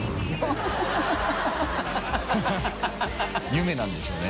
夢なんでしょうね。